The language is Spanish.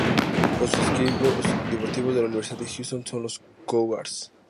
Los equipos deportivos de la Universidad de Houston son los Cougars.